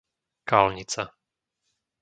Kálnica